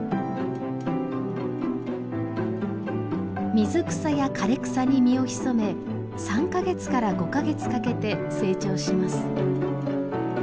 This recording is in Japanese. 水草や枯れ草に身を潜め３か月から５か月かけて成長します。